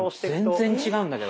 全然違うんだけど。